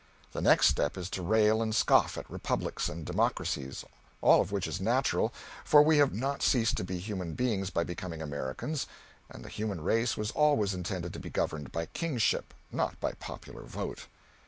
The next step is to rail and scoff at republics and democracies. All of which is natural, for we have not ceased to be human beings by becoming Americans, and the human race was always intended to be governed by kingship, not by popular vote.